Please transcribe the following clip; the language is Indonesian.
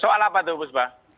soal apa tuh bu spa